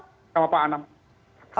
kedulang saya yang bertanya sama pak anam